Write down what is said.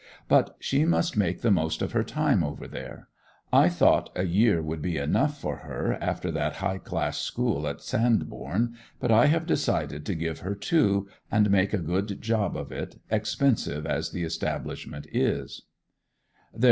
But she must make the most of her time over there. I thought a year would be enough for her, after that high class school at Sandbourne, but I have decided to give her two, and make a good job of it, expensive as the establishment is.